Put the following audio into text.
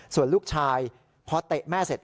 ส่วนลูกชายพอเตะแม่เสร็จ